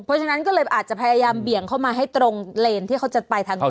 เพราะฉะนั้นก็เลยอาจจะพยายามเบี่ยงเข้ามาให้ตรงเลนที่เขาจะไปทางตรง